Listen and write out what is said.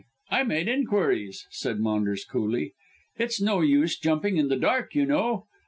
I made inquiries," said Maunders coolly. "It's no use jumping in the dark you know.